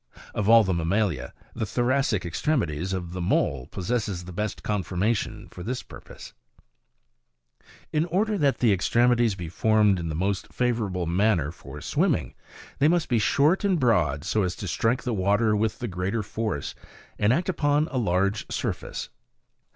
Of all the mammalia, the thoracic extremities of the mole possess the best conformation for this purpose. (Plate 2, /?#. 10.) 17. In order that the extremities be formed in the most favor able manner for swimming, they must be short and broad so as to strike the water with the greater force and act upon a large surface.